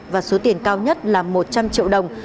và số tiền cao nhất là một trăm linh triệu đồng